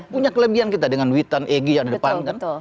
punya kelebihan kita dengan witan egya di depan kan